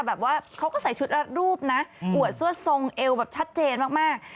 แบบว่าเขาก็ใส่ชุดรัดรูปนะอวดซวดทรงเอวแบบชัดเจนมาก